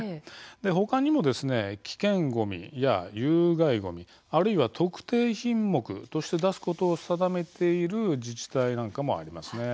他にも危険ごみや有害ごみあるいは特定品目として出すことを定めている自治体もあります。